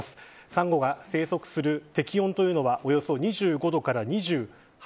サンゴが生息する適温というのは２５度から２８度。